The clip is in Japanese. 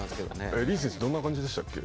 リーチ選手どんな感じでしたっけ？